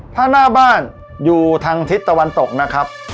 ถ้าหน้าบ้านอยู่ทางทิศตะวันตกนะครับ